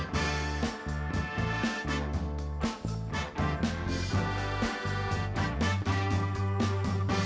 ฝากฝากฝากจากหน้า